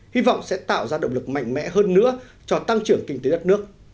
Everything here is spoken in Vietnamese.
hy vọng sẽ tạo ra động lực mạnh mẽ hơn nữa cho tăng trưởng kinh tế đất nước